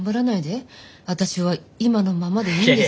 私は今のままでいいんですから。